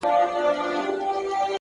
اخلاص د اړیکو بنسټ نه لړزوي,